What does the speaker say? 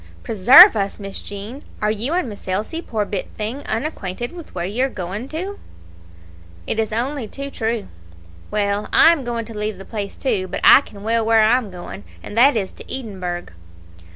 "Preserve us, Miss Jean! Are you and Miss Elsie, poor bit thing, unacquainted with where you are going to?" "It is only too true." "Well, I am going to leave the place too; but I ken well where I am going, and that is to Edinburgh."